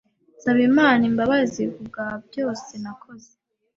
nsaba Imana imbabazi ku bwa byose nakoze